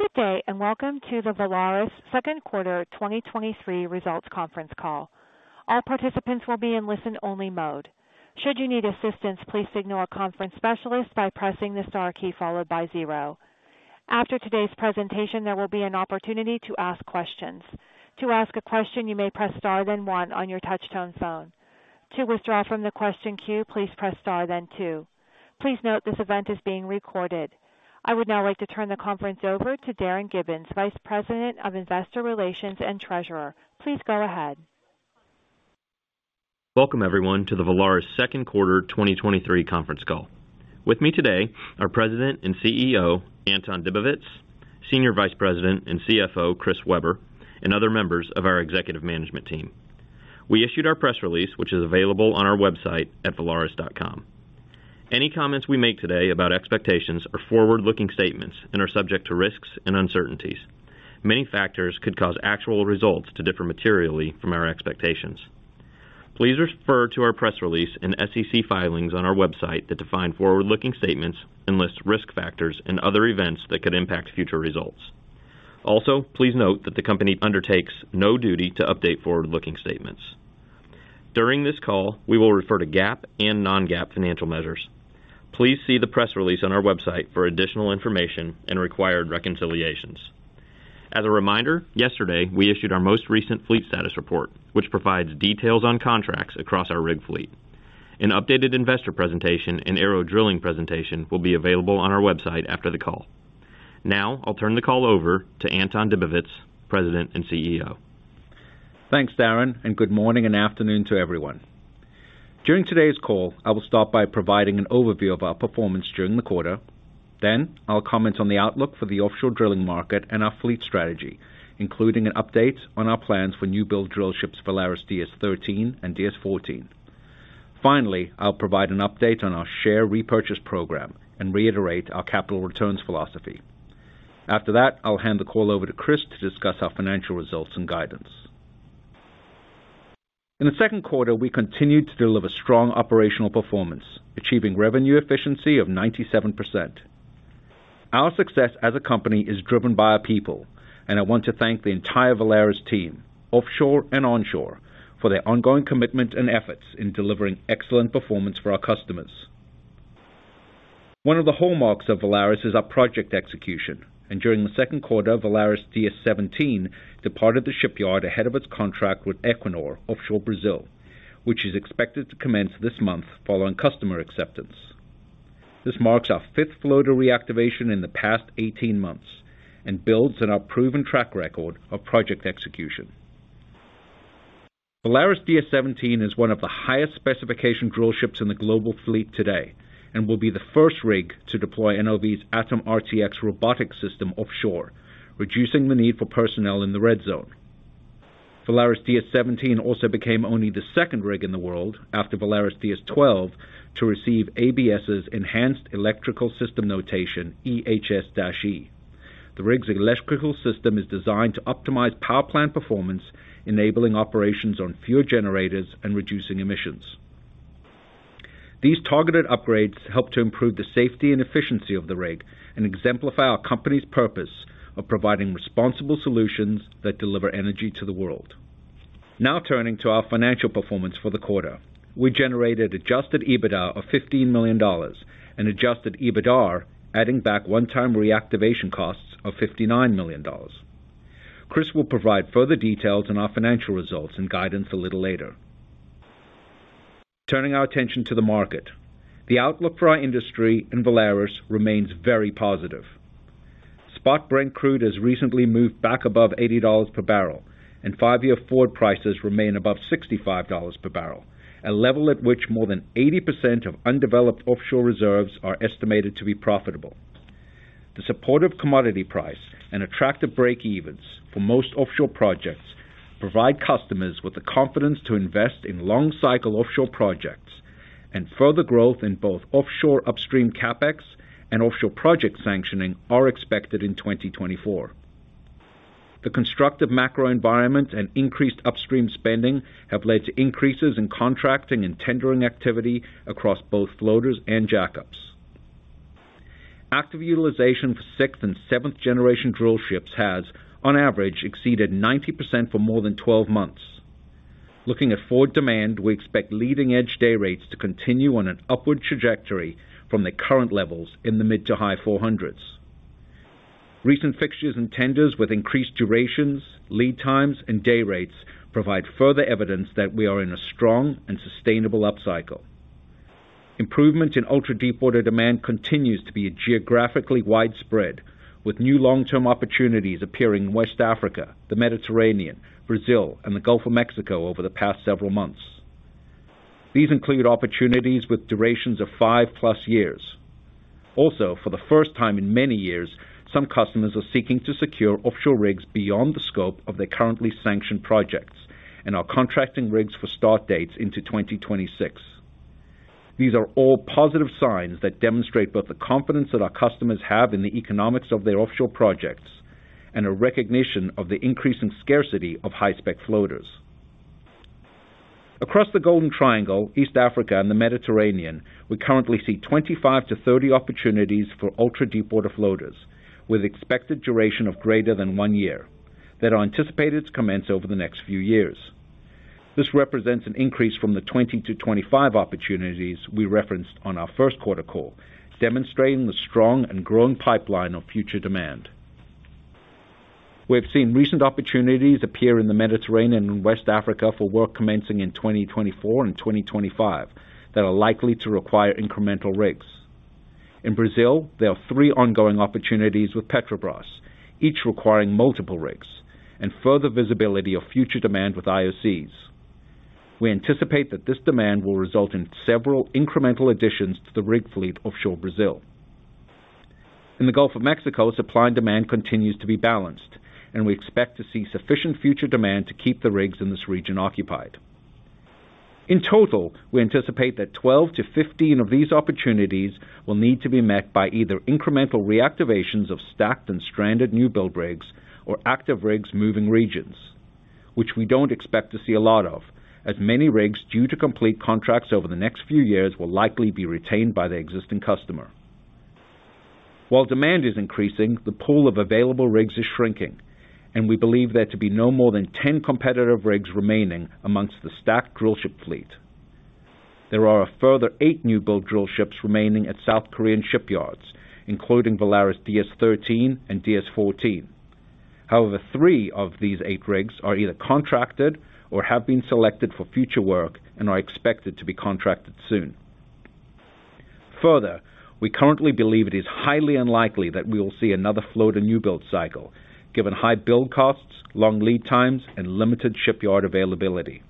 Good day, and Welcome to the Valaris Second Quarter 2023 Results Conference Call. All participants will be in listen-only mode. Should you need assistance, please signal a conference specialist by pressing the star key followed by zero. After today's presentation, there will be an opportunity to ask questions. To ask a question, you may press star, then one on your touchtone phone. To withdraw from the question queue, please press star, then two. Please note, this event is being recorded. I would now like to turn the conference over to Darin Gibbins, Vice President of Investor Relations and Treasurer. Please go ahead. Welcome everyone, to the Valaris second quarter 2023 conference call. With me today, our President and CEO, Anton Dibowitz, Senior Vice President and CFO, Chris Weber, and other members of our executive management team. We issued our press release, which is available on our website at valaris.com. Any comments we make today about expectations are forward-looking statements and are subject to risks and uncertainties. Many factors could cause actual results to differ materially from our expectations. Please refer to our press release and SEC filings on our website that define forward-looking statements and list risk factors and other events that could impact future results. Please note that the company undertakes no duty to update forward-looking statements. During this call, we will refer to GAAP and non-GAAP financial measures. Please see the press release on our website for additional information and required reconciliations. As a reminder, yesterday, we issued our most recent fleet status report, which provides details on contracts across our rig fleet. An updated investor presentation and ARO Drilling presentation will be available on our website after the call. Now I'll turn the call over to Anton Dibowitz, President and CEO. Thanks, Darin, good morning and afternoon to everyone. During today's call, I will start by providing an overview of our performance during the quarter. I'll comment on the outlook for the offshore drilling market and our fleet strategy, including an update on our plans for newbuild drillships, VALARIS DS-13 and DS-14. Finally, I'll provide an update on our share repurchase program and reiterate our capital returns philosophy. After that, I'll hand the call over to Chris to discuss our financial results and guidance. In the second quarter, we continued to deliver strong operational performance, achieving revenue efficiency of 97%. Our success as a company is driven by our people, I want to thank the entire Valaris team, offshore and onshore, for their ongoing commitment and efforts in delivering excellent performance for our customers. One of the hallmarks of Valaris is our project execution. During the second quarter, VALARIS DS-17 departed the shipyard ahead of its contract with Equinor offshore Brazil, which is expected to commence this month following customer acceptance. This marks our fifth floater reactivation in the past 18 months and builds on our proven track record of project execution. VALARIS DS-17 is one of the highest specification drillships in the global fleet today and will be the first rig to deploy NOV's ATOM RTX robotic system offshore, reducing the need for personnel in the red zone. VALARIS DS-17 also became only the second rig in the world, after VALARIS DS-12, to receive ABS's Enhanced Electrical System Notation, EHS-E. The rig's electrical system is designed to optimize power plant performance, enabling operations on fewer generators and reducing emissions. These targeted upgrades help to improve the safety and efficiency of the rig and exemplify our company's purpose of providing responsible solutions that deliver energy to the world. Turning to our financial performance for the quarter. We generated adjusted EBITDA of $15 million and adjusted EBITDAR, adding back one-time reactivation costs of $59 million. Chris will provide further details on our financial results and guidance a little later. Turning our attention to the market. The outlook for our industry and Valaris remains very positive. Spot Brent crude has recently moved back above $80 per barrel, and five-year forward prices remain above $65 per barrel, a level at which more than 80% of undeveloped offshore reserves are estimated to be profitable. The supportive commodity price and attractive breakevens for most offshore projects provide customers with the confidence to invest in long-cycle offshore projects. Further growth in both offshore upstream CapEx and offshore project sanctioning are expected in 2024. The constructive macro environment and increased upstream spending have led to increases in contracting and tendering activity across both floaters and jackups. Active utilization for sixth and seventh-generation drillships has, on average, exceeded 90% for more than 12 months. Looking at forward demand, we expect leading-edge day rates to continue on an upward trajectory from their current levels in the mid to high $400s. Recent fixtures and tenders with increased durations, lead times, and day rates provide further evidence that we are in a strong and sustainable upcycle. Improvement in ultra-deepwater demand continues to be geographically widespread, with new long-term opportunities appearing in West Africa, the Mediterranean, Brazil, and the Gulf of Mexico over the past several months. These include opportunities with durations of 5+ years. Also, for the first time in many years, some customers are seeking to secure offshore rigs beyond the scope of their currently sanctioned projects and are contracting rigs for start dates into 2026. These are all positive signs that demonstrate both the confidence that our customers have in the economics of their offshore projects and a recognition of the increasing scarcity of high-spec floaters. Across the Golden Triangle, East Africa, and the Mediterranean, we currently see 25-30 opportunities for ultra-deepwater floaters, with expected duration of greater than one year, that are anticipated to commence over the next few years. This represents an increase from the 20-25 opportunities we referenced on our first quarter call, demonstrating the strong and growing pipeline of future demand. We've seen recent opportunities appear in the Mediterranean and West Africa for work commencing in 2024 and 2025, that are likely to require incremental rigs. In Brazil, there are three ongoing opportunities with Petrobras, each requiring multiple rigs and further visibility of future demand with IOCs. We anticipate that this demand will result in several incremental additions to the rig fleet offshore Brazil. In the Gulf of Mexico, supply and demand continues to be balanced, and we expect to see sufficient future demand to keep the rigs in this region occupied. In total, we anticipate that 12-15 of these opportunities will need to be met by either incremental reactivations of stacked and stranded newbuild rigs, or active rigs moving regions, which we don't expect to see a lot of, as many rigs due to complete contracts over the next few years will likely be retained by the existing customer. While demand is increasing, the pool of available rigs is shrinking, and we believe there to be no more than 10 competitive rigs remaining amongst the stacked drillship fleet. There are a further eight newbuild drillships remaining at South Korean shipyards, including VALARIS DS-13 and DS-14. However, three of these eight rigs are either contracted or have been selected for future work and are expected to be contracted soon. Further, we currently believe it is highly unlikely that we will see another floater newbuild cycle, given high build costs, long lead times, and limited shipyard availability.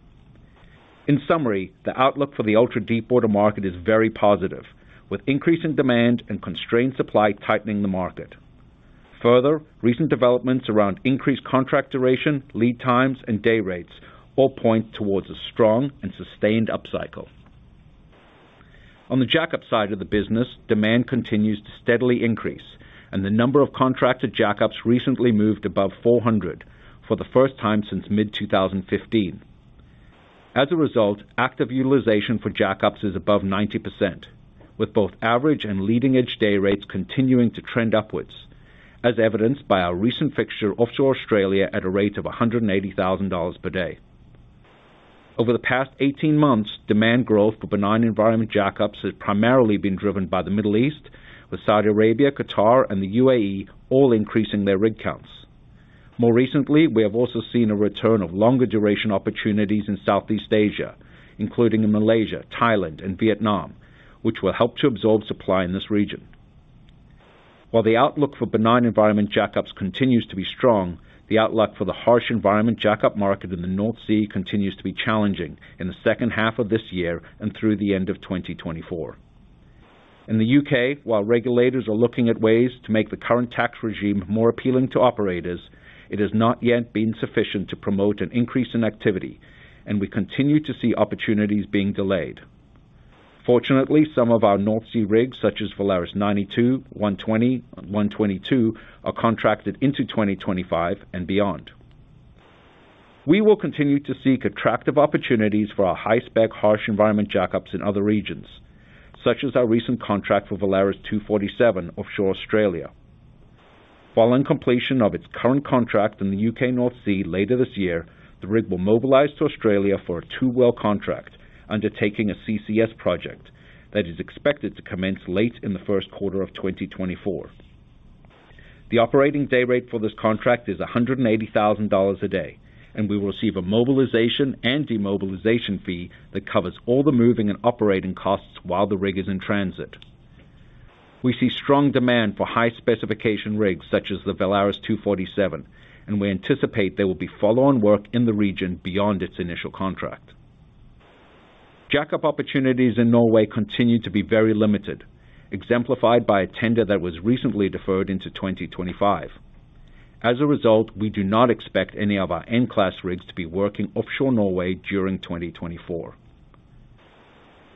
In summary, the outlook for the ultra-deepwater market is very positive, with increasing demand and constrained supply tightening the market. Further, recent developments around increased contract duration, lead times, and day rates all point towards a strong and sustained upcycle. On the jackup side of the business, demand continues to steadily increase, and the number of contracted jackups recently moved above 400 for the first time since mid-2015. As a result, active utilization for jackups is above 90%, with both average and leading-edge day rates continuing to trend upwards, as evidenced by our recent fixture offshore Australia at a rate of $180,000 per day. Over the past 18 months, demand growth for benign environment jackups has primarily been driven by the Middle East, with Saudi Arabia, Qatar, and the U.A.E. all increasing their rig counts. More recently, we have also seen a return of longer duration opportunities in Southeast Asia, including in Malaysia, Thailand, and Vietnam, which will help to absorb supply in this region. While the outlook for benign environment jackups continues to be strong, the outlook for the harsh environment jackup market in the North Sea continues to be challenging in the second half of this year and through the end of 2024. In the U.K., while regulators are looking at ways to make the current tax regime more appealing to operators, it has not yet been sufficient to promote an increase in activity, and we continue to see opportunities being delayed. Fortunately, some of our North Sea rigs, such as VALARIS 92, 120, and 122, are contracted into 2025 and beyond. We will continue to seek attractive opportunities for our high-spec, harsh environment jackups in other regions, such as our recent contract for VALARIS 247 offshore Australia. Following completion of its current contract in the U.K. North Sea later this year, the rig will mobilize to Australia for a two-well contract, undertaking a CCS project that is expected to commence late in the first quarter of 2024. The operating day rate for this contract is $180,000 a day, and we will receive a mobilization and demobilization fee that covers all the moving and operating costs while the rig is in transit. We see strong demand for high-specification rigs, such as the VALARIS 247, and we anticipate there will be follow-on work in the region beyond its initial contract. Jackup opportunities in Norway continue to be very limited, exemplified by a tender that was recently deferred into 2025. As a result, we do not expect any of our N-Class rigs to be working offshore Norway during 2024.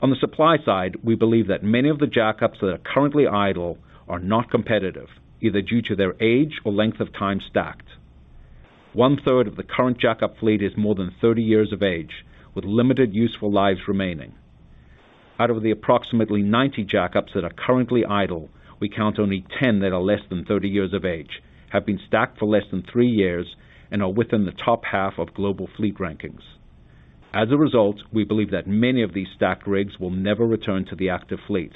On the supply side, we believe that many of the jackups that are currently idle are not competitive, either due to their age or length of time stacked. 1/3 of the current jackup fleet is more than 30 years of age, with limited useful lives remaining. Out of the approximately 90 jackups that are currently idle, we count only 10 that are less than 30 years of age, have been stacked for less than three years, and are within the top half of global fleet rankings. As a result, we believe that many of these stacked rigs will never return to the active fleet.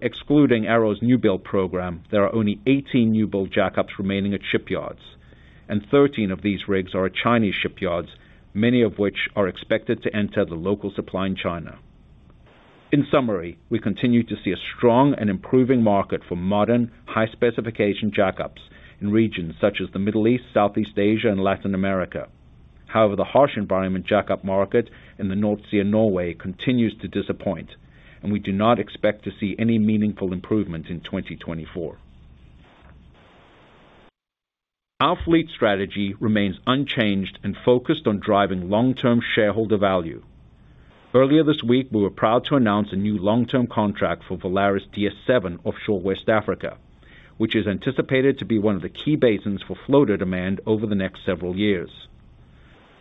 Excluding ARO Drilling's newbuild program, there are only 18 newbuild jackups remaining at shipyards, and 13 of these rigs are at Chinese shipyards, many of which are expected to enter the local supply in China. We continue to see a strong and improving market for modern, high-specification jackups in regions such as the Middle East, Southeast Asia, and Latin America. The harsh environment jackup market in the North Sea and Norway continues to disappoint, and we do not expect to see any meaningful improvement in 2024. Our fleet strategy remains unchanged and focused on driving long-term shareholder value. Earlier this week, we were proud to announce a new long-term contract for VALARIS DS-7 offshore West Africa, which is anticipated to be one of the key basins for floater demand over the next several years.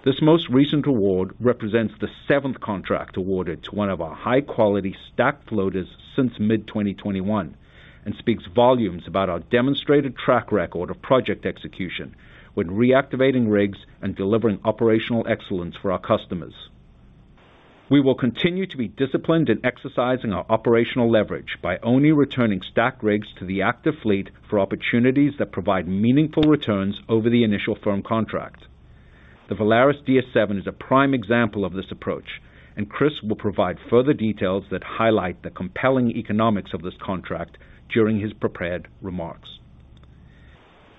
This most recent award represents the seventh contract awarded to one of our high-quality stacked floaters since mid-2021, and speaks volumes about our demonstrated track record of project execution when reactivating rigs and delivering operational excellence for our customers. We will continue to be disciplined in exercising our operational leverage by only returning stacked rigs to the active fleet for opportunities that provide meaningful returns over the initial firm contract. The VALARIS DS-7 is a prime example of this approach, and Chris will provide further details that highlight the compelling economics of this contract during his prepared remarks.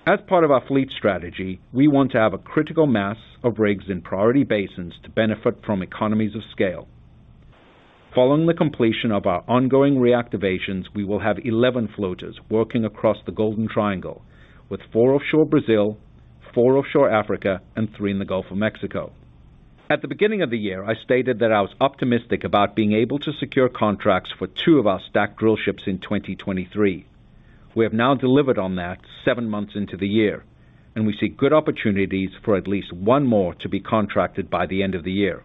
As part of our fleet strategy, we want to have a critical mass of rigs in priority basins to benefit from economies of scale. Following the completion of our ongoing reactivations, we will have 11 floaters working across the Golden Triangle, with four offshore Brazil, four offshore Africa, and three in the Gulf of Mexico. At the beginning of the year, I stated that I was optimistic about being able to secure contracts for two of our stacked drillships in 2023. We have now delivered on that seven months into the year. We see good opportunities for at least one more to be contracted by the end of the year.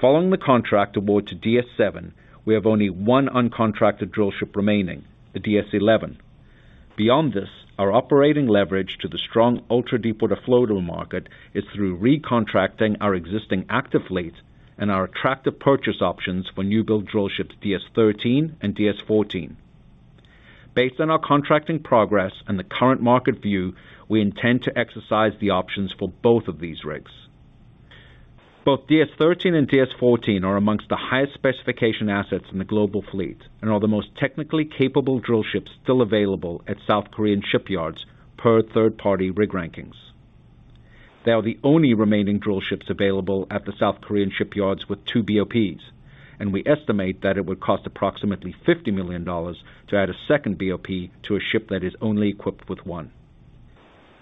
Following the contract award to DS-7, we have only one uncontracted drillship remaining, the DS-11. Beyond this, our operating leverage to the strong ultra-deepwater floater market is through recontracting our existing active fleet and our attractive purchase options for newbuild drillships DS-13 and DS-14. Based on our contracting progress and the current market view, we intend to exercise the options for both of these rigs. Both DS-13 and DS-14 are amongst the highest specification assets in the global fleet and are the most technically capable drillships still available at South Korean shipyards per third-party rig rankings. They are the only remaining drillships available at the South Korean shipyards with two BOPs, and we estimate that it would cost approximately $50 million to add a second BOP to a ship that is only equipped with one.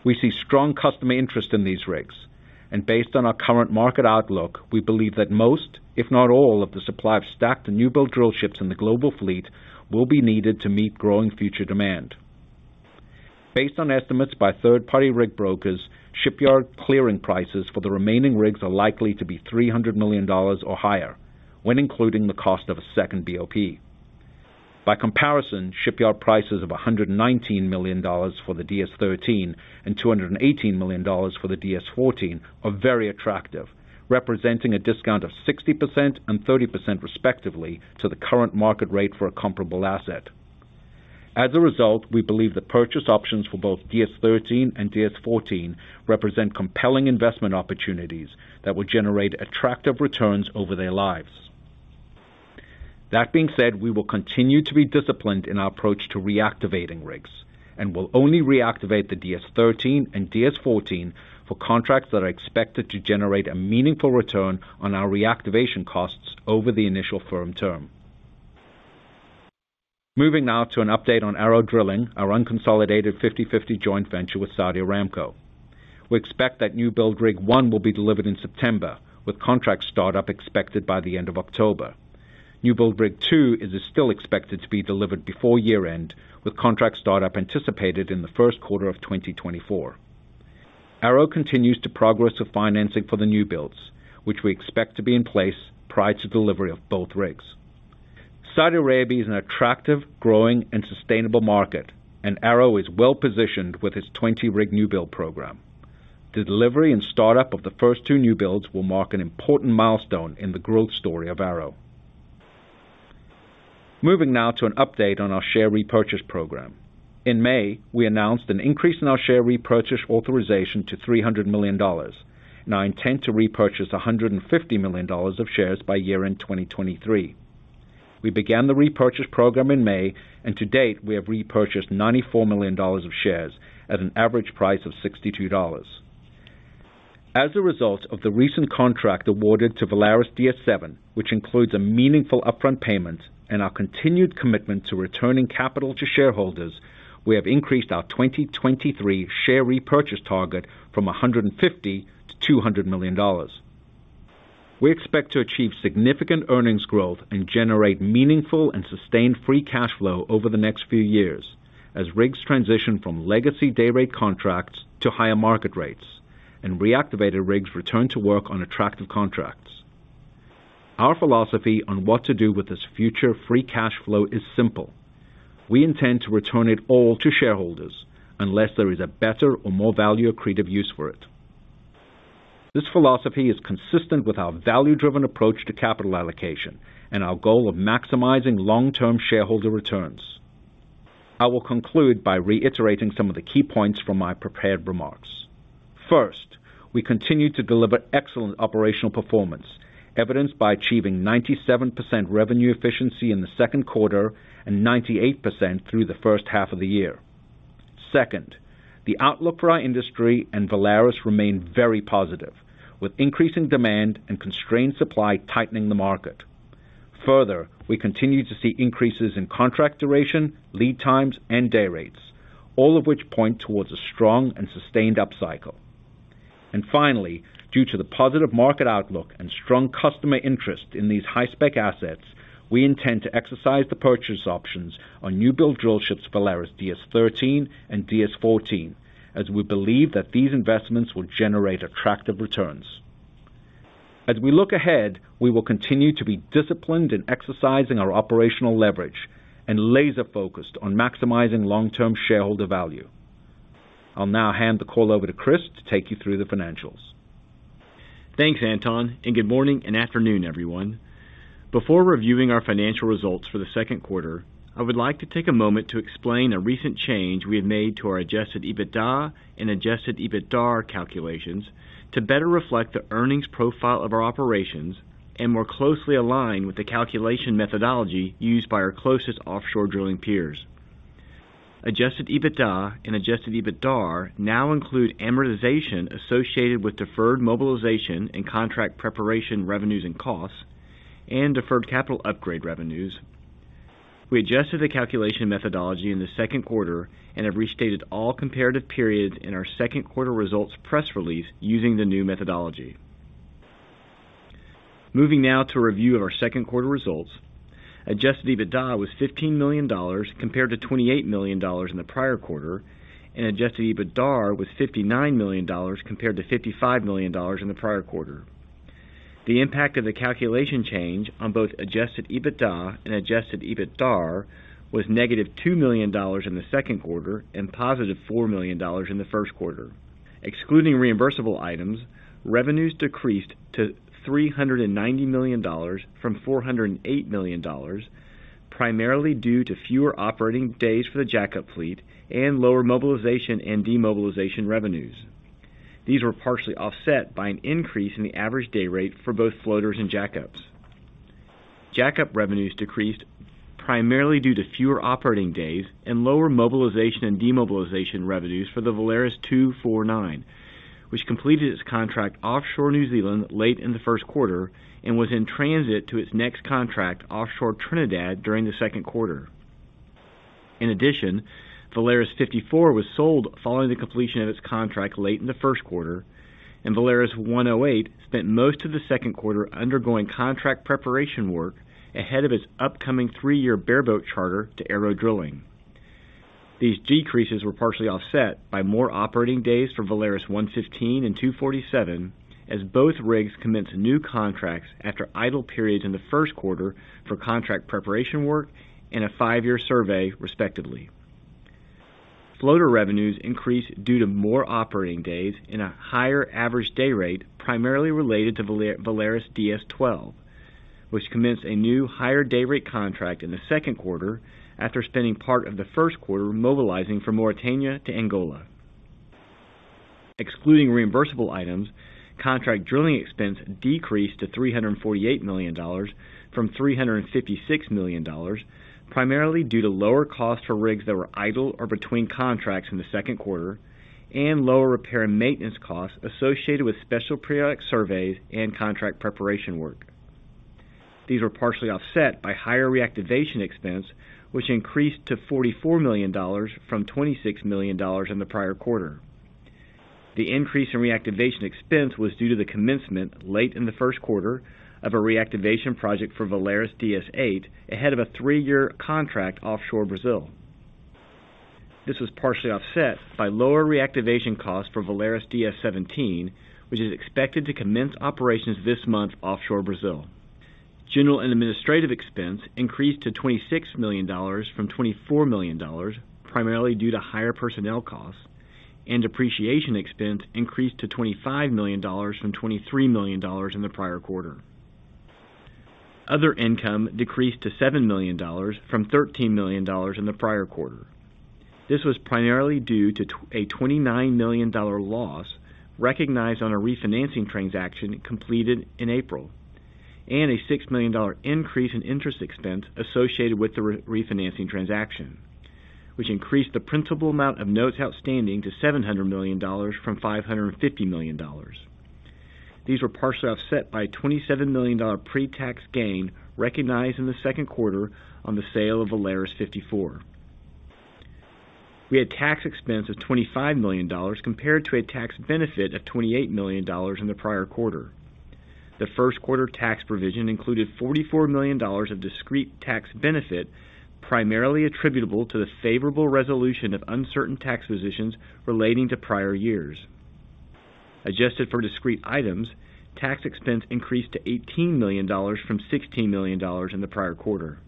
We see strong customer interest in these rigs, and based on our current market outlook, we believe that most, if not all, of the supply of stacked and newbuild drillships in the global fleet will be needed to meet growing future demand. Based on estimates by third-party rig brokers, shipyard clearing prices for the remaining rigs are likely to be $300 million or higher when including the cost of a second BOP. By comparison, shipyard prices of $119 million for the DS-13 and $218 million for the DS-14 are very attractive, representing a discount of 60% and 30% respectively to the current market rate for a comparable asset. As a result, we believe the purchase options for both DS-13 and DS-14 represent compelling investment opportunities that will generate attractive returns over their lives. That being said, we will continue to be disciplined in our approach to reactivating rigs and will only reactivate the DS-13 and DS-14 for contracts that are expected to generate a meaningful return on our reactivation costs over the initial firm term. Moving now to an update on ARO Drilling, our unconsolidated 50/50 joint venture with Saudi Aramco. We expect that newbuild Rig 1 will be delivered in September, with contract startup expected by the end of October. newbuild Rig 2 is still expected to be delivered before year-end, with contract startup anticipated in the first quarter of 2024. ARO continues to progress with financing for the newbuilds, which we expect to be in place prior to delivery of both rigs. Saudi Arabia is an attractive, growing and sustainable market, and ARO is well-positioned with its 20-rig newbuild program. The delivery and startup of the first two newbuilds will mark an important milestone in the growth story of ARO Drilling. Moving now to an update on our share repurchase program. In May, we announced an increase in our share repurchase authorization to $300 million, and our intent to repurchase $150 million of shares by year-end 2023. We began the repurchase program in May, and to date, we have repurchased $94 million of shares at an average price of $62. As a result of the recent contract awarded to VALARIS DS-7, which includes a meaningful upfront payment and our continued commitment to returning capital to shareholders, we have increased our 2023 share repurchase target from $150 million to $200 million. We expect to achieve significant earnings growth and generate meaningful and sustained free cash flow over the next few years as rigs transition from legacy day rate contracts to higher market rates and reactivated rigs return to work on attractive contracts. Our philosophy on what to do with this future free cash flow is simple: We intend to return it all to shareholders unless there is a better or more value accretive use for it. This philosophy is consistent with our value-driven approach to capital allocation and our goal of maximizing long-term shareholder returns. I will conclude by reiterating some of the key points from my prepared remarks. First, we continue to deliver excellent operational performance, evidenced by achieving 97% revenue efficiency in the second quarter and 98% through the first half of the year. Second, the outlook for our industry and Valaris remain very positive, with increasing demand and constrained supply tightening the market. Further, we continue to see increases in contract duration, lead times, and day rates, all of which point towards a strong and sustained upcycle. Finally, due to the positive market outlook and strong customer interest in these high-spec assets, we intend to exercise the purchase options on newbuild drillships, VALARIS DS-13 and DS-14, as we believe that these investments will generate attractive returns. As we look ahead, we will continue to be disciplined in exercising our operational leverage and laser-focused on maximizing long-term shareholder value. I'll now hand the call over to Chris to take you through the financials. Thanks, Anton, good morning and afternoon, everyone. Before reviewing our financial results for the second quarter, I would like to take a moment to explain a recent change we have made to our adjusted EBITDA and adjusted EBITDAR calculations to better reflect the earnings profile of our operations and more closely align with the calculation methodology used by our closest offshore drilling peers. Adjusted EBITDA and adjusted EBITDAR now include amortization associated with deferred mobilization and contract preparation revenues and costs, and deferred capital upgrade revenues. We adjusted the calculation methodology in the second quarter and have restated all comparative periods in our second quarter results press release using the new methodology. Moving now to a review of our second quarter results. Adjusted EBITDA was $15 million compared to $28 million in the prior quarter, and adjusted EBITDAR was $59 million, compared to $55 million in the prior quarter. The impact of the calculation change on both adjusted EBITDA and adjusted EBITDAR was -$2 million in the second quarter and +$4 million in the first quarter. Excluding reimbursable items, revenues decreased to $390 million from $408 million, primarily due to fewer operating days for the jackup fleet and lower mobilization and demobilization revenues. These were partially offset by an increase in the average day rate for both floaters and jackups. Jackup revenues decreased primarily due to fewer operating days and lower mobilization and demobilization revenues for the VALARIS 249, which completed its contract offshore New Zealand late in the first quarter and was in transit to its next contract offshore Trinidad during the second quarter. In addition, VALARIS 54 was sold following the completion of its contract late in the first quarter, and VALARIS 108 spent most of the second quarter undergoing contract preparation work ahead of its upcoming three-year bareboat charter to ARO Drilling. These decreases were partially offset by more operating days for VALARIS 115 and 247, as both rigs commenced new contracts after idle periods in the first quarter for contract preparation work and a five-year survey, respectively. Floater revenues increased due to more operating days and a higher average day rate, primarily related to VALARIS DS-12, which commenced a new higher day rate contract in the second quarter after spending part of the first quarter mobilizing from Mauritania to Angola. Excluding reimbursable items, contract drilling expense decreased to $348 million from $356 million, primarily due to lower costs for rigs that were idle or between contracts in the second quarter and lower repair and maintenance costs associated with special periodic surveys and contract preparation work. These were partially offset by higher reactivation expense, which increased to $44 million from $26 million in the prior quarter. The increase in reactivation expense was due to the commencement late in the first quarter of a reactivation project for VALARIS DS-8, ahead of a three-year contract offshore Brazil. This was partially offset by lower reactivation costs for VALARIS DS-17, which is expected to commence operations this month offshore Brazil. General and administrative expense increased to $26 million from $24 million, primarily due to higher personnel costs. Depreciation expense increased to $25 million from $23 million in the prior quarter. Other income decreased to $7 million from $13 million in the prior quarter. This was primarily due to a $29 million loss recognized on a refinancing transaction completed in April. A $6 million increase in interest expense associated with the re-refinancing transaction, which increased the principal amount of notes outstanding to $700 million from $550 million. These were partially offset by a $27 million pretax gain recognized in the second quarter on the sale of VALARIS 54. We had tax expense of $25 million, compared to a tax benefit of $28 million in the prior quarter. The first quarter tax provision included $44 million of discrete tax benefit, primarily attributable to the favorable resolution of uncertain tax positions relating to prior years. Adjusted for discrete items, tax expense increased to $18 million from $16 million in the prior quarter.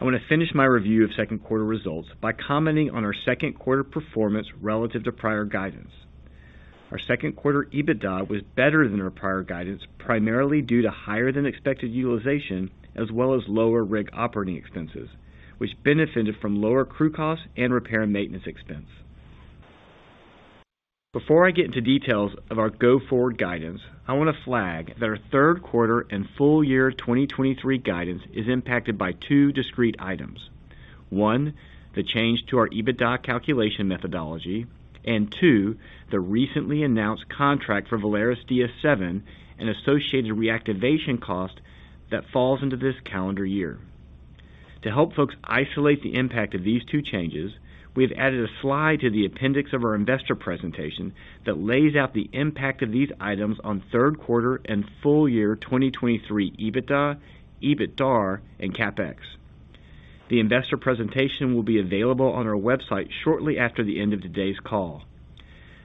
I want to finish my review of second quarter results by commenting on our second quarter performance relative to prior guidance. Our second quarter EBITDA was better than our prior guidance, primarily due to higher-than-expected utilization, as well as lower rig operating expenses, which benefited from lower crew costs and repair and maintenance expense. Before I get into details of our go-forward guidance, I want to flag that our third quarter and full year 2023 guidance is impacted by two discrete items, one, the change to our EBITDA calculation methodology, and two, the recently announced contract for Valaris DS-7 and associated reactivation cost that falls into this calendar year. To help folks isolate the impact of these two changes, we have added a slide to the appendix of our investor presentation that lays out the impact of these items on third quarter and full year 2023 EBITDA, EBITDAR, and CapEx. The investor presentation will be available on our website shortly after the end of today's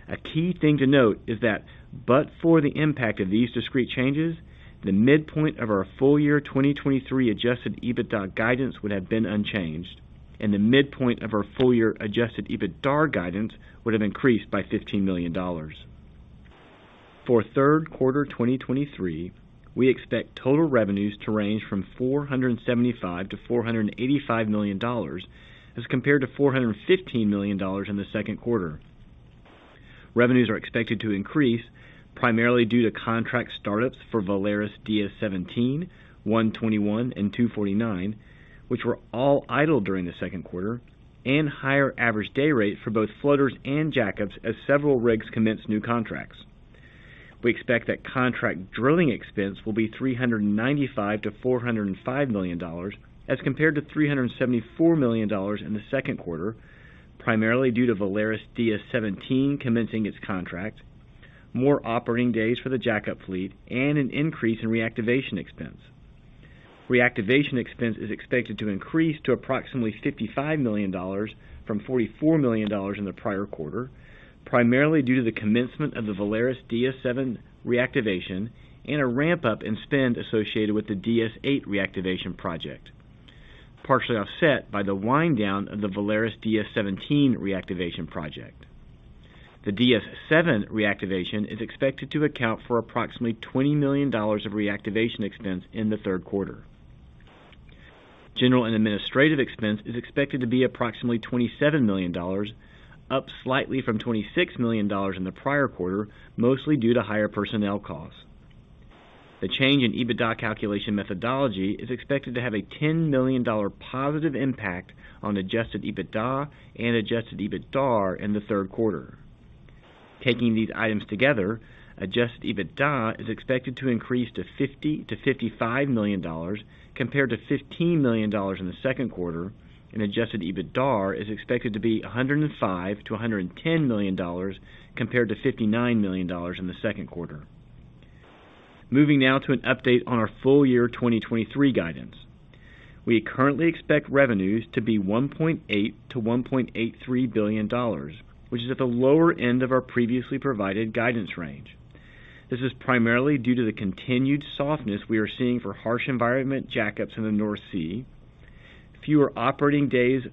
call. A key thing to note is that but for the impact of these discrete changes, the midpoint of our full year 2023 adjusted EBITDA guidance would have been unchanged, and the midpoint of our full-year adjusted EBITDAR guidance would have increased by $15 million. For third quarter 2023, we expect total revenues to range from $475 million-$485 million, as compared to $415 million in the second quarter. Revenues are expected to increase primarily due to contract startups for VALARIS DS-17, VALARIS 121, and VALARIS 249, which were all idle during the second quarter, and higher average day rates for both floaters and jackups as several rigs commence new contracts. We expect that contract drilling expense will be $395 million-$405 million, as compared to $374 million in the second quarter, primarily due to VALARIS DS-17 commencing its contract, more operating days for the jackup fleet, and an increase in reactivation expense. Reactivation expense is expected to increase to approximately $55 million from $44 million in the prior quarter, primarily due to the commencement of the VALARIS DS-7 reactivation and a ramp-up in spend associated with the VALARIS DS-8 reactivation project, partially offset by the wind down of the VALARIS DS-17 reactivation project. The VALARIS DS-7 reactivation is expected to account for approximately $20 million of reactivation expense in the third quarter. General and administrative expense is expected to be approximately $27 million, up slightly from $26 million in the prior quarter, mostly due to higher personnel costs. The change in EBITDA calculation methodology is expected to have a $10 million positive impact on adjusted EBITDA and adjusted EBITDAR in the third quarter. Taking these items together, adjusted EBITDA is expected to increase to $50 million-$55 million compared to $15 million in the second quarter. Adjusted EBITDAR is expected to be $105 million-$110 million compared to $59 million in the second quarter. Moving now to an update on our full year 2023 guidance. We currently expect revenues to be $1.8 billion-$1.83 billion, which is at the lower end of our previously provided guidance range. This is primarily due to the continued softness we are seeing for harsh environment jackups in the North Sea. Fewer operating days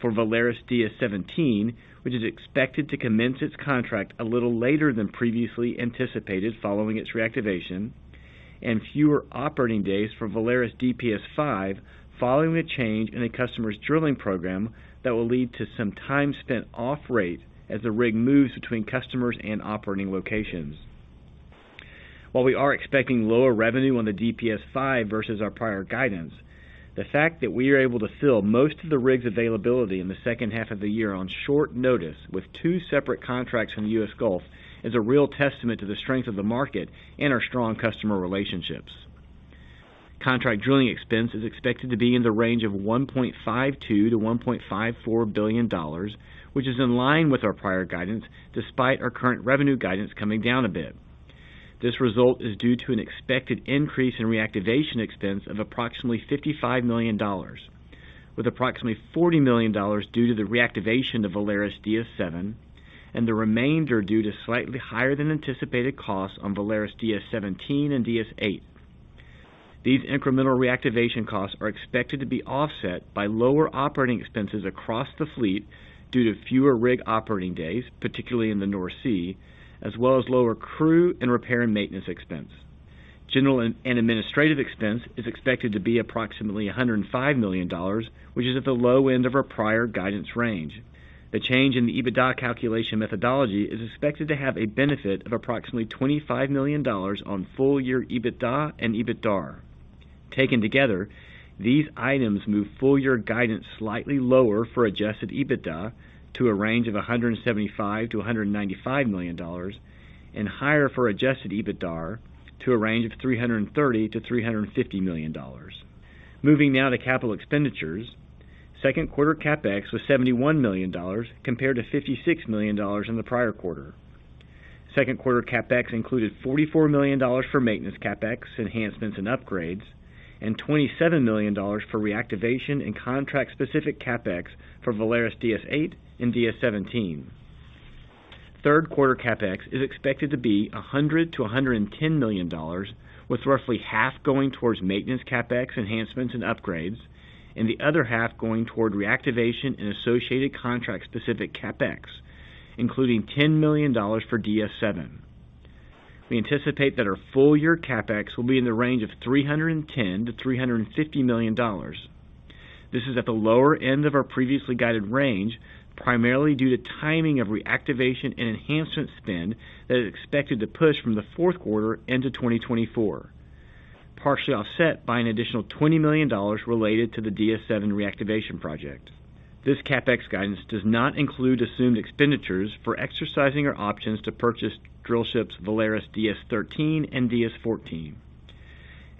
for VALARIS DS-17, which is expected to commence its contract a little later than previously anticipated following its reactivation, and fewer operating days for VALARIS DPS-5, following a change in a customer's drilling program that will lead to some time spent off rate as the rig moves between customers and operating locations. While we are expecting lower revenue on the DPS-5 versus our prior guidance, the fact that we are able to fill most of the rig's availability in the second half of the year on short notice with two separate contracts from the U.S. Gulf, is a real testament to the strength of the market and our strong customer relationships. Contract drilling expense is expected to be in the range of $1.52 billion-$1.54 billion, which is in line with our prior guidance, despite our current revenue guidance coming down a bit. This result is due to an expected increase in reactivation expense of approximately $55 million, with approximately $40 million due to the reactivation of VALARIS DS-7 and the remainder due to slightly higher than anticipated costs on VALARIS DS-17 and DS-8. These incremental reactivation costs are expected to be offset by lower operating expenses across the fleet due to fewer rig operating days, particularly in the North Sea, as well as lower crew and repair and maintenance expense. General and administrative expense is expected to be approximately $105 million, which is at the low end of our prior guidance range. The change in the EBITDA calculation methodology is expected to have a benefit of approximately $25 million on full-year EBITDA and EBITDAR. Taken together, these items move full-year guidance slightly lower for adjusted EBITDA to a range of $175 million-$195 million, and higher for adjusted EBITDAR to a range of $330 million-$350 million. Moving now to capital expenditures. Second quarter CapEx was $71 million, compared to $56 million in the prior quarter. Second quarter CapEx included $44 million for maintenance CapEx, enhancements, and upgrades, and $27 million for reactivation and contract-specific CapEx for VALARIS DS-8 and DS-17. Third quarter CapEx is expected to be $100 million-$110 million, with roughly half going towards maintenance CapEx enhancements and upgrades, and the other half going toward reactivation and associated contract-specific CapEx, including $10 million for DS-7. We anticipate that our full year CapEx will be in the range of $310 million-$350 million. This is at the lower end of our previously guided range, primarily due to timing of reactivation and enhancement spend that is expected to push from the fourth quarter into 2024, partially offset by an additional $20 million related to the DS-7 reactivation project. This CapEx guidance does not include assumed expenditures for exercising our options to purchase drillships VALARIS DS-13 and DS-14.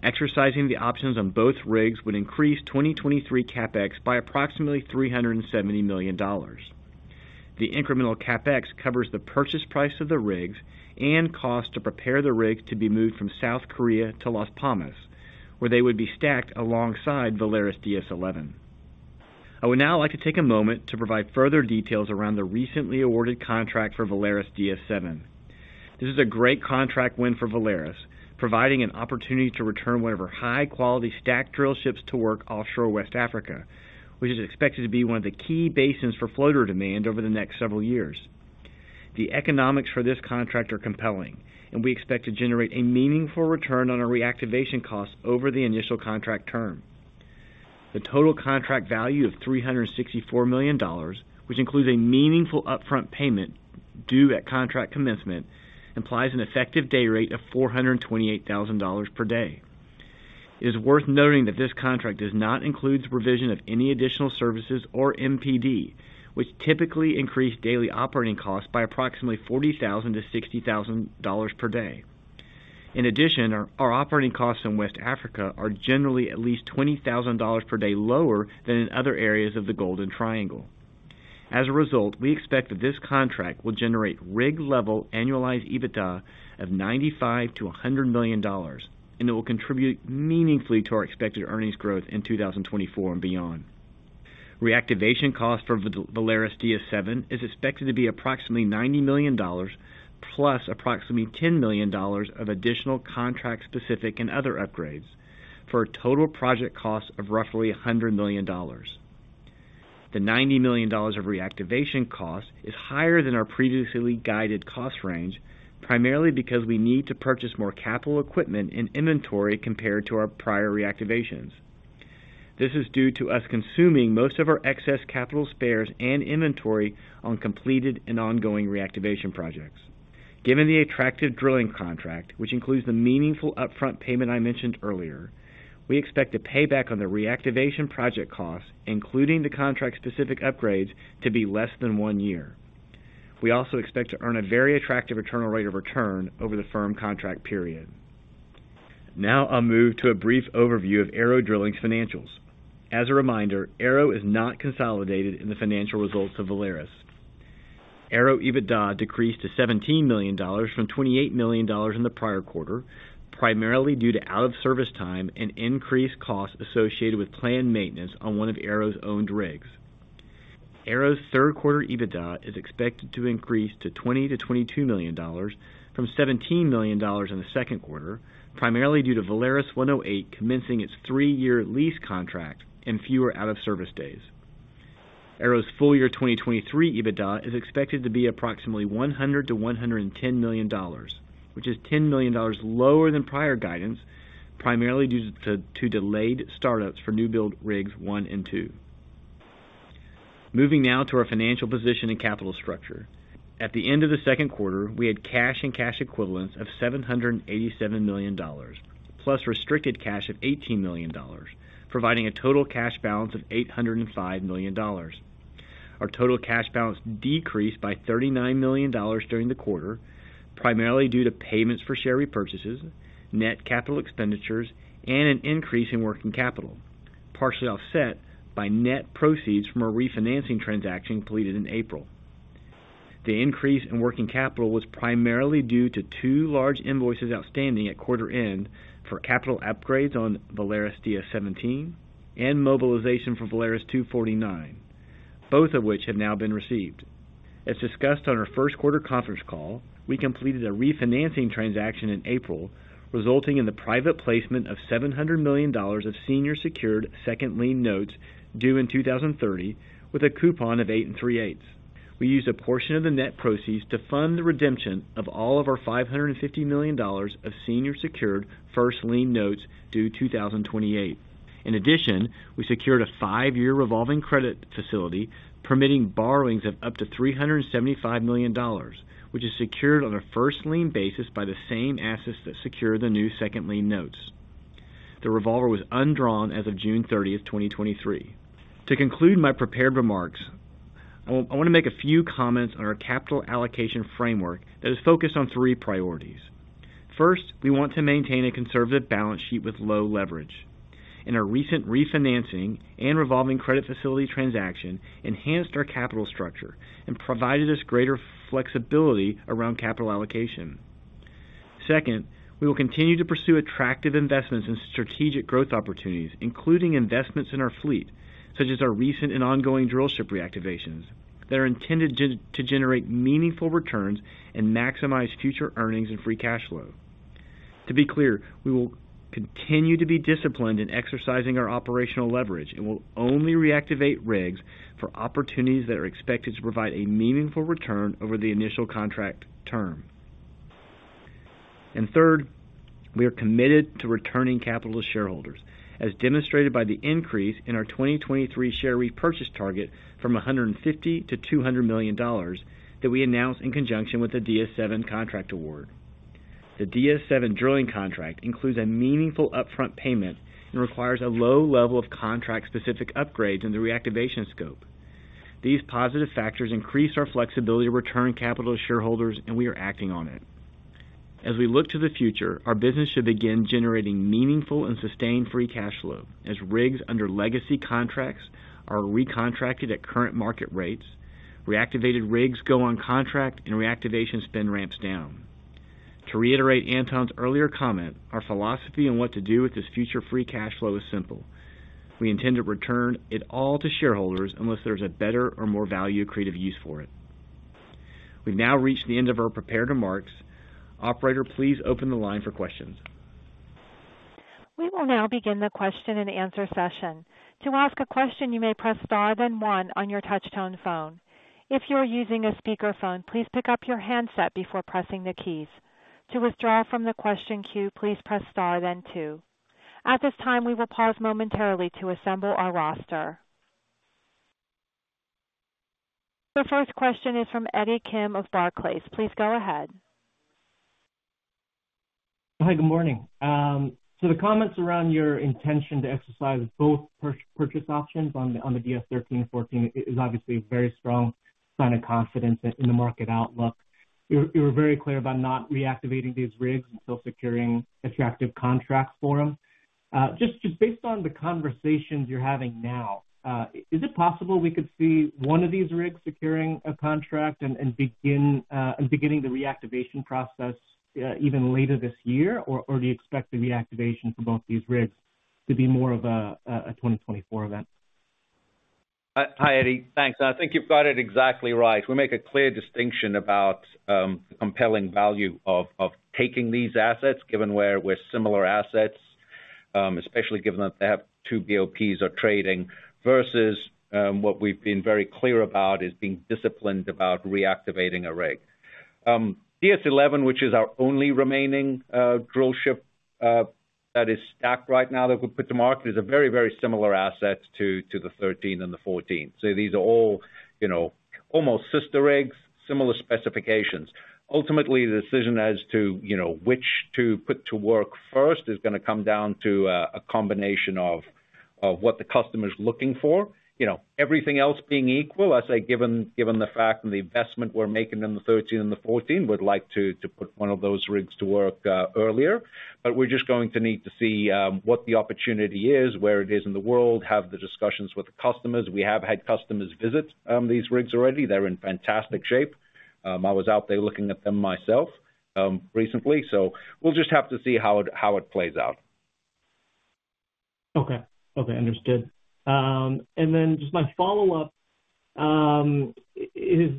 Exercising the options on both rigs would increase 2023 CapEx by approximately $370 million. The incremental CapEx covers the purchase price of the rigs and cost to prepare the rigs to be moved from South Korea to Las Palmas, where they would be stacked alongside VALARIS DS-11. I would now like to take a moment to provide further details around the recently awarded contract for VALARIS DS-7. This is a great contract win for Valaris, providing an opportunity to return one of our high-quality stack drillships to work offshore West Africa, which is expected to be one of the key basins for floater demand over the next several years. The economics for this contract are compelling, and we expect to generate a meaningful return on our reactivation costs over the initial contract term. The total contract value of $364 million, which includes a meaningful upfront payment due at contract commencement, implies an effective day rate of $428,000 per day. It is worth noting that this contract does not include the provision of any additional services or MPD, which typically increase daily operating costs by approximately $40,000-$60,000 per day. Our operating costs in West Africa are generally at least $20,000 per day lower than in other areas of the Golden Triangle. We expect that this contract will generate rig-level annualized EBITDA of $95 million-$100 million, and it will contribute meaningfully to our expected earnings growth in 2024 and beyond. Reactivation cost for VALARIS DS-7 is expected to be approximately $90 million, plus approximately $10 million of additional contract-specific and other upgrades, for a total project cost of roughly $100 million. The $90 million of reactivation cost is higher than our previously guided cost range, primarily because we need to purchase more capital equipment and inventory compared to our prior reactivations. This is due to us consuming most of our excess capital spares and inventory on completed and ongoing reactivation projects. Given the attractive drilling contract, which includes the meaningful upfront payment I mentioned earlier, we expect a payback on the reactivation project costs, including the contract-specific upgrades, to be less than one year. We also expect to earn a very attractive internal rate of return over the firm contract period. Now I'll move to a brief overview of ARO Drilling's financials. As a reminder, ARO is not consolidated in the financial results of Valaris. ARO EBITDA decreased to $17 million from $28 million in the prior quarter, primarily due to out-of-service time and increased costs associated with planned maintenance on one of ARO's owned rigs. ARO's third quarter EBITDA is expected to increase to $20 million-$22 million from $17 million in the second quarter, primarily due to VALARIS 108 commencing its three-year lease contract and fewer out-of-service days. ARO's full year 2023 EBITDA is expected to be approximately $100 million-$110 million, which is $10 million lower than prior guidance, primarily due to delayed startups for newbuild rigs 1 and 2. Moving now to our financial position and capital structure. At the end of the second quarter, we had cash and cash equivalents of $787 million, plus restricted cash of $18 million, providing a total cash balance of $805 million. Our total cash balance decreased by $39 million during the quarter, primarily due to payments for share repurchases, net capital expenditures, and an increase in working capital, partially offset by net proceeds from a refinancing transaction completed in April. The increase in working capital was primarily due to two large invoices outstanding at quarter end for capital upgrades on VALARIS DS-17 and mobilization for VALARIS 249, both of which have now been received. As discussed on our first quarter conference call, we completed a refinancing transaction in April, resulting in the private placement of $700 million of senior secured second lien notes due in 2030, with a coupon of 8.38%. We used a portion of the net proceeds to fund the redemption of all of our $550 million of senior secured first lien notes due 2028. In addition, we secured a five-year revolving credit facility permitting borrowings of up to $375 million, which is secured on a first lien basis by the same assets that secure the new second lien notes. The revolver was undrawn as of June 30, 2023. To conclude my prepared remarks, I want to make a few comments on our capital allocation framework that is focused on three priorities. First, we want to maintain a conservative balance sheet with low leverage. In our recent refinancing and revolving credit facility transaction enhanced our capital structure and provided us greater flexibility around capital allocation. Second, we will continue to pursue attractive investments in strategic growth opportunities, including investments in our fleet, such as our recent and ongoing drillship reactivations, that are intended to generate meaningful returns and maximize future earnings and free cash flow. To be clear, we will continue to be disciplined in exercising our operational leverage and will only reactivate rigs for opportunities that are expected to provide a meaningful return over the initial contract term. Third, we are committed to returning capital to shareholders, as demonstrated by the increase in our 2023 share repurchase target from $150 million to $200 million that we announced in conjunction with the DS-7 contract award. The DS-7 drilling contract includes a meaningful upfront payment and requires a low level of contract-specific upgrades in the reactivation scope. These positive factors increase our flexibility to return capital to shareholders. We are acting on it. As we look to the future, our business should begin generating meaningful and sustained free cash flow as rigs under legacy contracts are recontracted at current market rates, reactivated rigs go on contract, and reactivation spend ramps down. To reiterate Anton's earlier comment, our philosophy on what to do with this future free cash flow is simple. We intend to return it all to shareholders unless there's a better or more value-creative use for it. We've now reached the end of our prepared remarks. Operator, please open the line for questions. We will now begin the question-and-answer session. To ask a question, you may press star then one on your touchtone phone. If you are using a speakerphone, please pick up your handset before pressing the keys. To withdraw from the question queue, please press star then two. At this time, we will pause momentarily to assemble our roster. The first question is from Eddie Kim of Barclays. Please go ahead. Hi, good morning. The comments around your intention to exercise both purchase options on the DS-13 and DS-14 is obviously a very strong sign of confidence in the market outlook. You were, you were very clear about not reactivating these rigs until securing attractive contracts for them. Just based on the conversations you're having now, is it possible we could see one of these rigs securing a contract and beginning the reactivation process even later this year? Do you expect the reactivation for both these rigs to be more of a 2024 event? Hi, Eddie. Thanks. I think you've got it exactly right. We make a clear distinction about the compelling value of taking these assets, given where similar assets, especially given that they have two BOPs are trading, versus what we've been very clear about is being disciplined about reactivating a rig. DS-11, which is our only remaining drill ship that is stacked right now that we put to market, is a very, very similar asset to the DS-13 and the DS-14. These are all, you know, almost sister rigs, similar specifications. Ultimately, the decision as to, you know, which to put to work first is gonna come down to a combination of what the customer is looking for. You know, everything else being equal, I'd say, given, given the fact and the investment we're making in the DS-13 and the DS-14, we'd like to, to put one of those rigs to work earlier. We're just going to need to see what the opportunity is, where it is in the world, have the discussions with the customers. We have had customers visit these rigs already. They're in fantastic shape. I was out there looking at them myself recently. We'll just have to see how it, how it plays out. Okay. Okay, understood. Then just my follow-up is,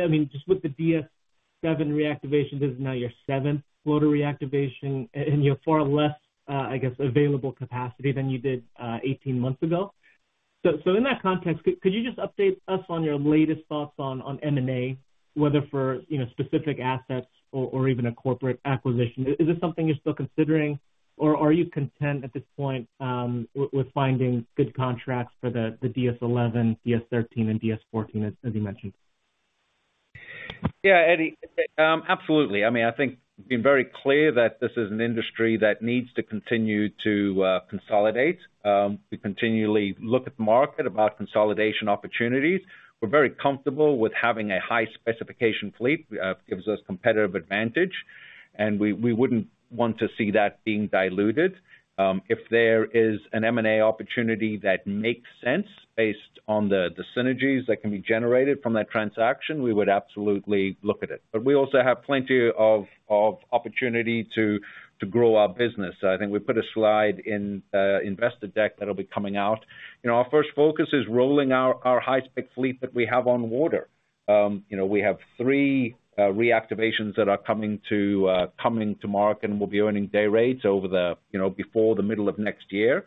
I mean, just with the DS-7 reactivation, this is now your seventh floater reactivation and you have far less, I guess, available capacity than you did, 18 months ago. In that context, could you just update us on your latest thoughts on M&A, whether for, you know, specific assets or even a corporate acquisition? Is this something you're still considering, or are you content at this point with finding good contracts for the DS-11, DS-13, and DS-14, as you mentioned? Yeah, Eddie, absolutely. I mean, I think we've been very clear that this is an industry that needs to continue to consolidate. We continually look at the market about consolidation opportunities. We're very comfortable with having a high-specification fleet, gives us competitive advantage, and we wouldn't want to see that being diluted. If there is an M&A opportunity that makes sense based on the synergies that can be generated from that transaction, we would absolutely look at it. We also have plenty of, of opportunity to, to grow our business. I think we put a slide in the investor deck that'll be coming out. You know, our first focus is rolling out our high-spec fleet that we have on water. you know, we have three reactivations that are coming to, coming to market and will be earning day rates over the, you know, before the middle of next year.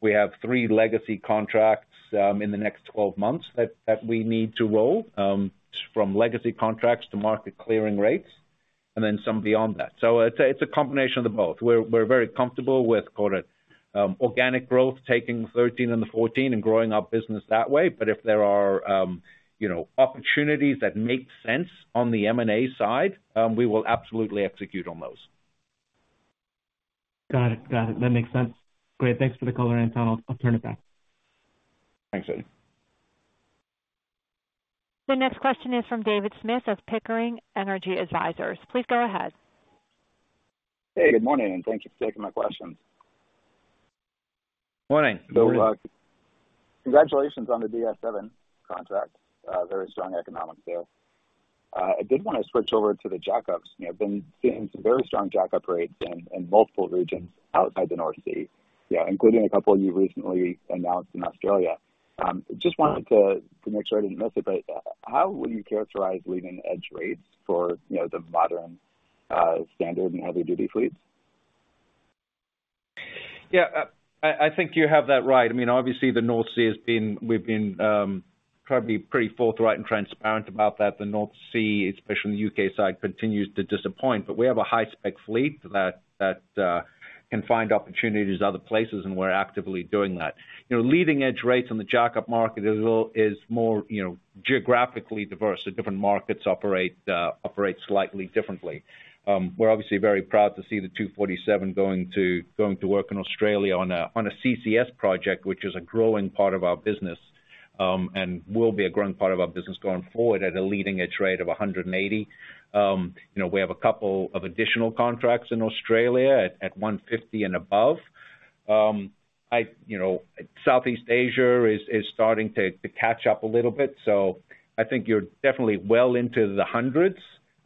We have three legacy contracts in the next 12 months that, that we need to roll from legacy contracts to market clearing rates, and then some beyond that. It's, it's a combination of the both. We're, we're very comfortable with, call it, organic growth, taking the DS-13 and the DS-14 and growing our business that way. If there are, you know, opportunities that make sense on the M&A side, we will absolutely execute on those. Got it. Got it. That makes sense. Great. Thanks for the color, Anton. I'll, I'll turn it back. Thanks, Eddie. The next question is from David Smith of Pickering Energy Advisors. Please go ahead. Hey, good morning. Thank you for taking my questions. Morning. Congratulations on the DS-7 contract. Very strong economics there. I did want to switch over to the jackups. You know, been seeing some very strong jackup rates in, in multiple regions outside the North Sea, including a couple you recently announced in Australia. Just wanted to make sure I didn't miss it, but how would you characterize leading-edge rates for, you know, the modern, standard and heavy-duty fleets? Yeah, I, I think you have that right. I mean, obviously the North Sea has been, we've been probably pretty forthright and transparent about that. The North Sea, especially on the U.K. side, continues to disappoint, but we have a high-spec fleet that, that can find opportunities other places, and we're actively doing that. You know, leading-edge rates on the jackup market is a little, is more, you know, geographically diverse. Different markets operate, operate slightly differently. We're obviously very proud to see the VALARIS 247 going to, going to work in Australia on a CCS project, which is a growing part of our business, and will be a growing part of our business going forward at a leading-edge rate of $180,000. You know, we have a couple of additional contracts in Australia at, at $150,000 and above. I, you know, Southeast Asia is, is starting to, to catch up a little bit, so I think you're definitely well into the hundreds.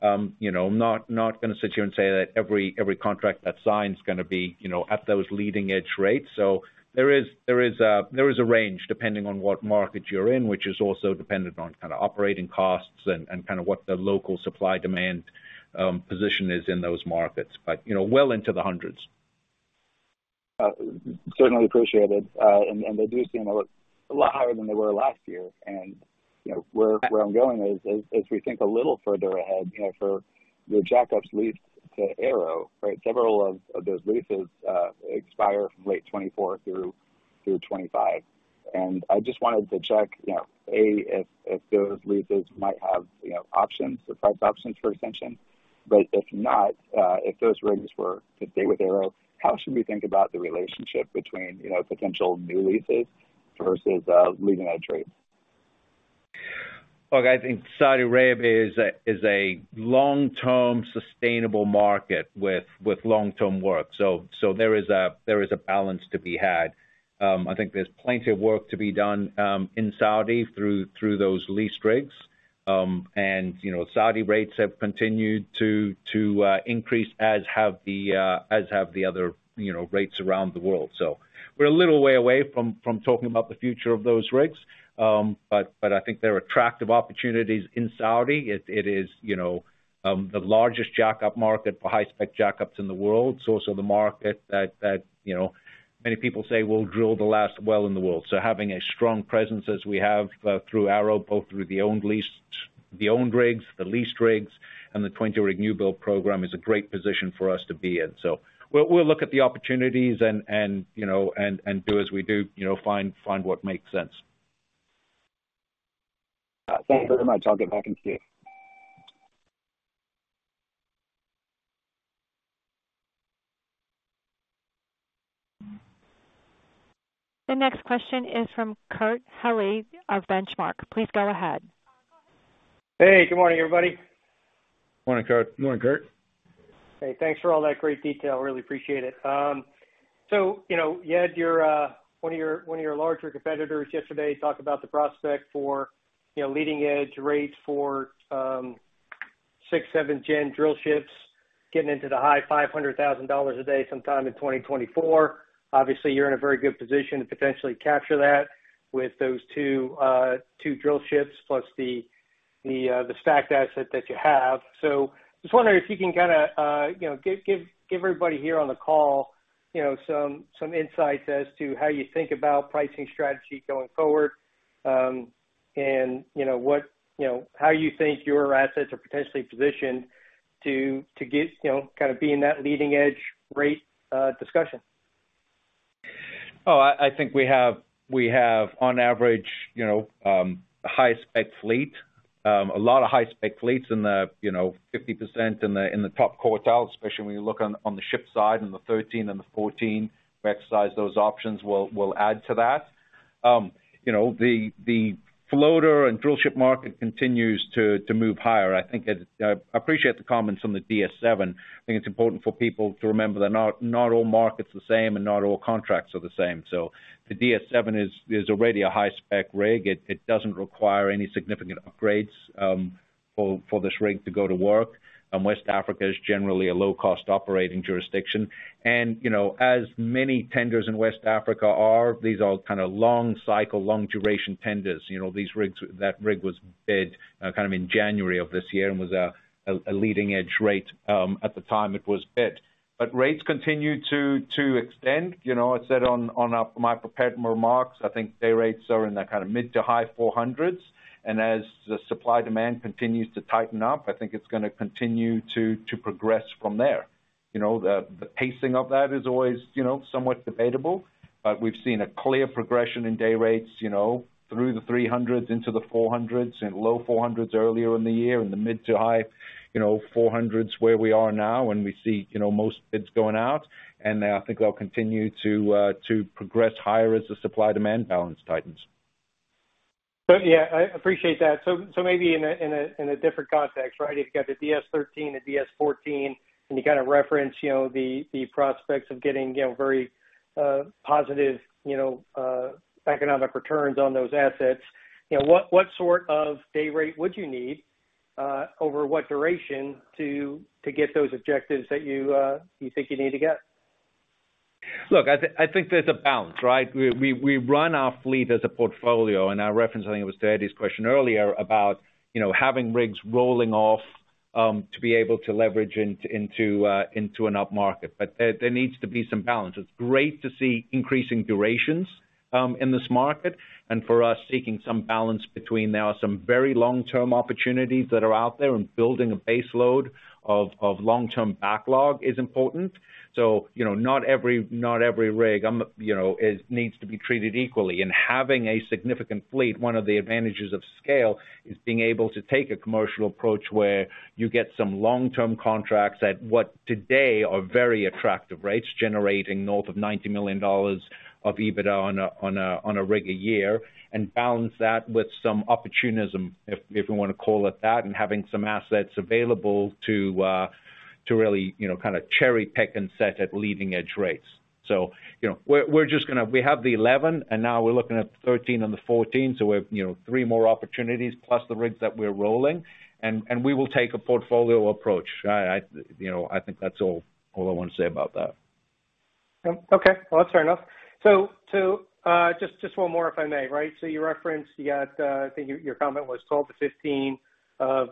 You know, not, not gonna sit here and say that every, every contract that's signed is gonna be, you know, at those leading-edge day rates. There is, there is a, there is a range, depending on what market you're in, which is also dependent on kind of operating costs and, and kind of what the local supply-demand position is in those markets, but, you know, well into the hundreds. Certainly appreciated, and they do seem a lot, a lot higher than they were last year. You know, where, where I'm going is, is if we think a little further ahead, you know, for your jackups leased to ARO, right? Several of, of those leases expire from late 2024 through, through 2025. I just wanted to check, you know, A, if, if those leases might have, you know, options or price options for extension. If not, if those rigs were to stay with ARO, how should we think about the relationship between, you know, potential new leases versus leading-edge rates? Look, I think Saudi Arabia is a long-term sustainable market with long-term work. There is a balance to be had. I think there's plenty of work to be done in Saudi through those leased rigs. You know, Saudi rates have continued to increase, as have the other, you know, rates around the world. We're a little way away from talking about the future of those rigs, but I think there are attractive opportunities in Saudi. It is, you know, the largest jackup market for high-spec jackups in the world. It's also the market that, you know, many people say will drill the last well in the world. Having a strong presence as we have through ARO, both through the owned leases, the owned rigs, the leased rigs, and the 20-rig newbuild program, is a great position for us to be in. We'll, we'll look at the opportunities and, and, you know, and, and do as we do, you know, find, find what makes sense. Thanks very much. I'll get back in queue. The next question is from Kurt Hallead of Benchmark. Please go ahead. Hey, good morning, everybody. Morning, Kurt. Morning, Kurt. Hey, thanks for all that great detail. Really appreciate it. You know, you had your one of your one of your larger competitors yesterday talk about the prospect for, you know, leading-edge rates for sixth, seventh-gen drillships getting into the high $500,000 a day sometime in 2024. Obviously, you're in a very good position to potentially capture that with those two two drillships, plus the the stacked asset that you have. I was wondering if you can kinda, you know, give, give, give everybody here on the call, you know, some, some insights as to how you think about pricing strategy going forward, and you know, what, you know, how you think your assets are potentially positioned to, to get, you know, kind of be in that leading-edge rate discussion? Oh, I, I think we have, we have, on average, you know, a high-spec fleet. A lot of high-spec fleets in the, you know, 50% in the, in the top quartile, especially when you look on, on the ship side, and the DS-13 and the DS-14, we exercise those options, we'll, we'll add to that. You know, the, the floater and drillship market continues to, to move higher. I think it, I appreciate the comments on the DS-7. I think it's important for people to remember that not, not all markets are the same and not all contracts are the same. The DS-7 is, is already a high-spec rig. It, it doesn't require any significant upgrades, for, for this rig to go to work. West Africa is generally a low-cost operating jurisdiction. You know, as many tenders in West Africa are, these are kind of long cycle, long-duration tenders. You know, these rigs, that rig was bid, kind of in January of this year and was a, a leading-edge rate at the time it was bid. Rates continue to extend. You know, I said on our, my prepared remarks, I think day rates are in the kind of mid to high $400,000s, and as the supply-demand continues to tighten up, I think it's gonna continue to progress from there. You know, the, the pacing of that is always, you know, somewhat debatable, but we've seen a clear progression in day rates, you know, through the $300,000s into the $400,000s, and low $400,000s earlier in the year, in the mid to high, you know, $400,000s where we are now, and we see, you know, most bids going out. I think they'll continue to, to progress higher as the supply-demand balance tightens. Yeah, I appreciate that. Maybe in a, in a, in a different context, right? If you've got the DS-13 and DS-14, and you kind of reference, you know, the, the prospects of getting, you know, very positive, you know, economic returns on those assets, you know, what, what sort of day rate would you need over what duration to, to get those objectives that you, you think you need to get? Look, I think there's a balance, right? We, we, we run our fleet as a portfolio, and I referenced, I think it was to Eddie's question earlier about, you know, having rigs rolling off to be able to leverage into, into an upmarket. There, there needs to be some balance. It's great to see increasing durations in this market, and for us, seeking some balance between. There are some very long-term opportunities that are out there, and building a baseload of, of long-term backlog is important. You know, not every, not every rig, you know, is needs to be treated equally. Having a significant fleet, one of the advantages of scale, is being able to take a commercial approach where you get some long-term contracts at what today are very attractive rates, generating north of $90 million of EBITDA on a rig a year, and balance that with some opportunism, if, if you wanna call it that, and having some assets available to really, you know, kind of cherry-pick and set at leading-edge rates. You know, we're just gonna... We have the 11, and now we're looking at the DS-13 and the DS-14, so we have, you know, three more opportunities plus the rigs that we're rolling, and we will take a portfolio approach. I, you know, I think that's all, all I wanna say about that. Okay. Well, that's fair enough. So, just, just one more, if I may, right? You referenced, you got, I think your, your comment was 12-15 of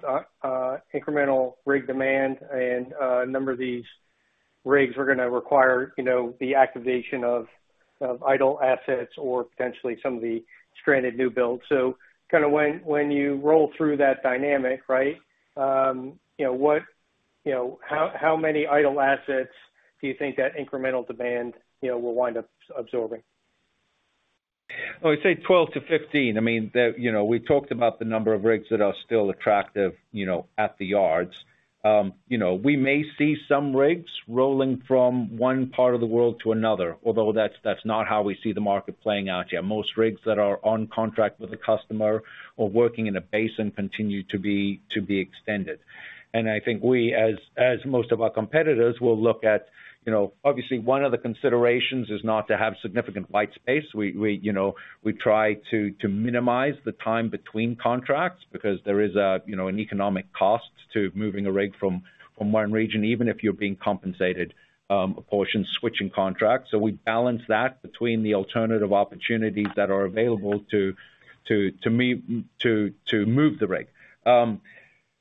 incremental rig demand, and a number of these rigs are gonna require, you know, the activation of, of idle assets or potentially some of the stranded newbuilds. Kinda when, when you roll through that dynamic, right, you know, what, you know, how, how many idle assets do you think that incremental demand, you know, will wind up absorbing? Well, I say 12-15. I mean, the, you know, we talked about the number of rigs that are still attractive, you know, at the yards. You know, we may see some rigs rolling from one part of the world to another, although that's, that's not how we see the market playing out yet. Most rigs that are on contract with the customer or working in a basin continue to be, to be extended. I think we, as, as most of our competitors, will look at, you know, obviously, one of the considerations is not to have significant white space. We, we, you know, we try to, to minimize the time between contracts because there is a, you know, an economic cost to moving a rig from, from one region, even if you're being compensated, a portion, switching contracts. We balance that between the alternative opportunities that are available to move the rig.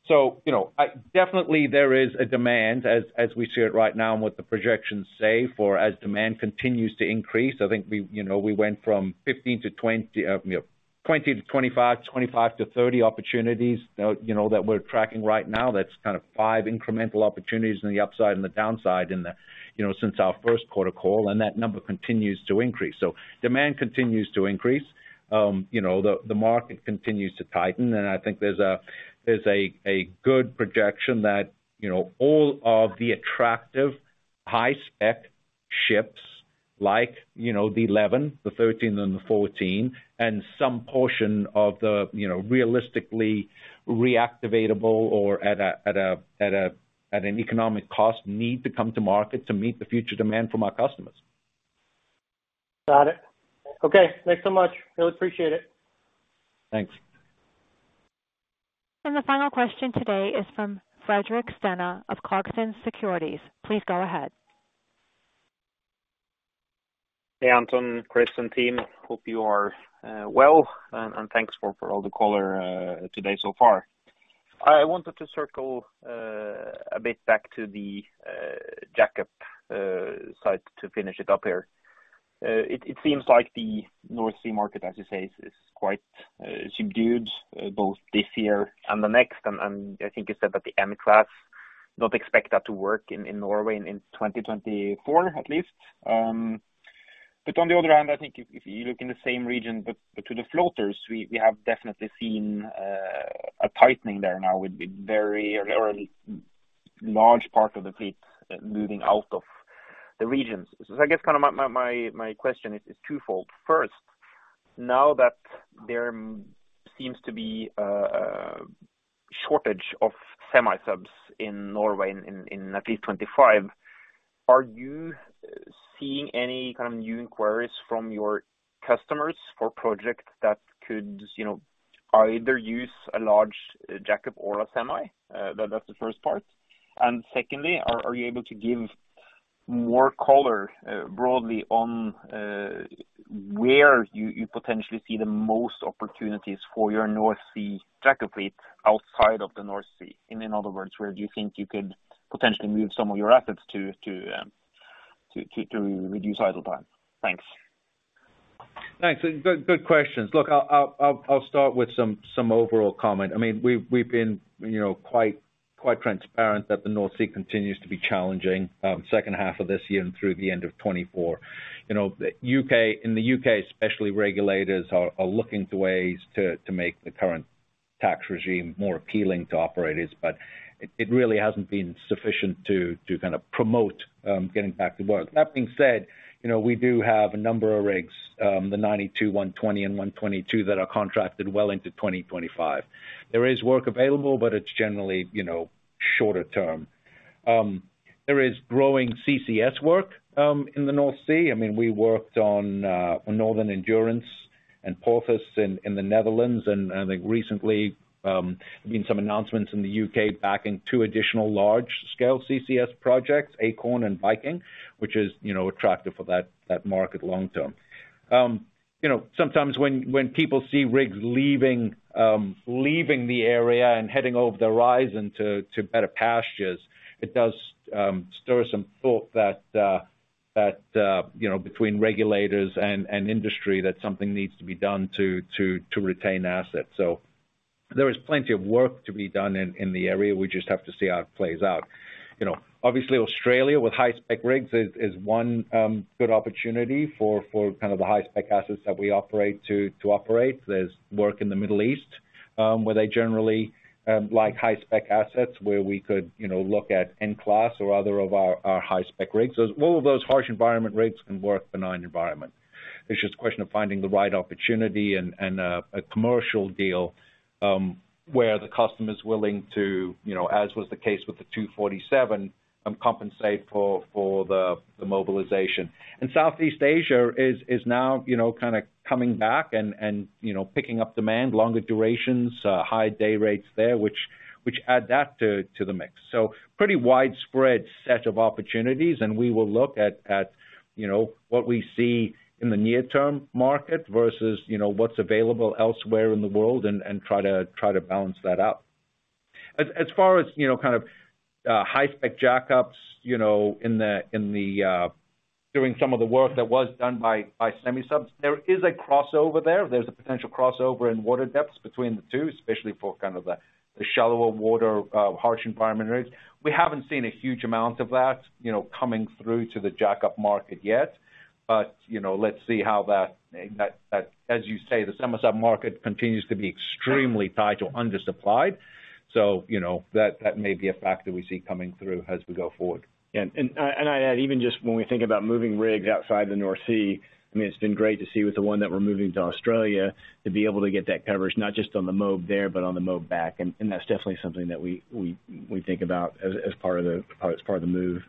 you know, Definitely there is a demand, as we see it right now and what the projections say, for as demand continues to increase. I think we, you know, we went from 15-20, you know, 20-25, 25-30 opportunities, you know, that we're tracking right now. That's kind of five incremental opportunities on the upside and the downside in the, you know, since our first quarter call, and that number continues to increase. Demand continues to increase. You know, the, the market continues to tighten, and I think there's a, there's a, a good projection that, you know, all of the attractive high-spec ships like, you know, the DS-11, the DS-13 and the DS-14, and some portion of the, you know, realistically reactivatable or at a, at a, at a, at an economic cost, need to come to market to meet the future demand from our customers. Got it. Okay, thanks so much. Really appreciate it. Thanks. The final question today is from Fredrik Stene of Clarksons Securities. Please go ahead. Hey, Anton, Chris, and team, hope you are well, and thanks for for all the color today so far. I wanted to circle a bit back to the jackup side to finish it up here. It seems like the North Sea market, as you say, is quite subdued both this year and the next. I think you said that the N-Class, not expect that to work in Norway in 2024, at least. On the other hand, I think if you look in the same region, but to the floaters, we have definitely seen a tightening there now, with the very early, large part of the fleet, moving out of the regions. I guess kind of my, my, my question is, is twofold. First, now that there seems to be a shortage of semi-subs in Norway in at least 2025, are you seeing any kind of new inquiries from your customers for projects that could, you know, either use a large jackup or a semi? That's the first part. Secondly, are you able to give more color broadly on where you potentially see the most opportunities for your North Sea jackup fleet outside of the North Sea? In other words, where do you think you could potentially move some of your assets to reduce idle time? Thanks. Thanks. Good, good questions. Look, I'll, I'll, I'll, I'll start with some, some overall comment. I mean, we've, we've been, you know, quite, quite transparent that the North Sea continues to be challenging, second half of this year and through the end of 2024. You know, the U.K., in the U.K. especially, regulators are, are looking to ways to, to make the current tax regime more appealing to operators, but it, it really hasn't been sufficient to, to kind of promote, getting back to work. That being said, you know, we do have a number of rigs, the VALARIS 92, VALARIS 120 and VALARIS 122, that are contracted well into 2025. There is work available, but it's generally, you know, shorter term. There is growing CCS work in the North Sea. I mean, we worked on Northern Endurance and Porthos in the Netherlands, and I think recently, been some announcements in the U.K. backing two additional large-scale CCS projects, Acorn and Viking, which is, you know, attractive for that, that market long term. You know, sometimes when people see rigs leaving, leaving the area and heading over the horizon to better pastures, it does stir some thought that, you know, between regulators and industry, that something needs to be done to retain assets. There is plenty of work to be done in the area. We just have to see how it plays out. You know, obviously, Australia, with high-spec rigs, is one good opportunity for kind of the high-spec assets that we operate to operate. There's work in the Middle East, where they generally like high-spec assets, where we could, you know, look at N-Class or other of our, our high-spec rigs. So all of those harsh environment rigs can work the benign environment. It's just a question of finding the right opportunity and, and a commercial deal, where the customer's willing to, you know, as was the case with the VALARIS 247, compensate for, for the, the mobilization. Southeast Asia is, is now, you know, kind of coming back and, and, you know, picking up demand, longer durations, high day rates there, which, which add that to, to the mix. Pretty widespread set of opportunities, and we will look at, at, you know, what we see in the near-term market versus, you know, what's available elsewhere in the world and, and try to, try to balance that out. As, as far as, you know, kind of, high-spec jackups, you know, in the, in the, doing some of the work that was done by, by semi-subs, there is a crossover there. There's a potential crossover in water depths between the two, especially for kind of the, the shallower water, harsh environment rigs. We haven't seen a huge amount of that, you know, coming through to the jackup market yet, but, you know, let's see how that, that, that, as you say, the semi-sub market continues to be extremely tight or under-supplied. You know, that, that may be a factor we see coming through as we go forward. I, and I'd add even just when we think about moving rigs outside the North Sea, I mean, it's been great to see with the one that we're moving to Australia, to be able to get that coverage, not just on the move there, but on the move back. That's definitely something that we, we, we think about as, as part of the, as part of the move.